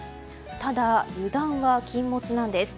ただ、油断は禁物なんです。